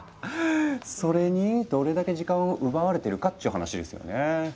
それにどれだけ時間を奪われてるかっちゅう話ですよね。